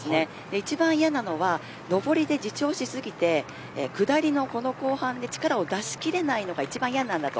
一番嫌なのは上りで自重しすぎて下りのこの後半で力を出し切れないのが一番嫌なんだと。